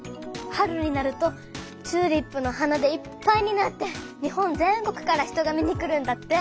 春になるとチューリップの花でいっぱいになって日本全国から人が見に来るんだって。